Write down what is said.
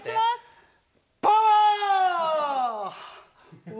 パワー！